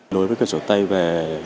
nối với cơ sở tây về